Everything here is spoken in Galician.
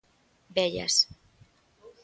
Vellas.